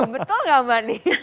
betul gak mbak is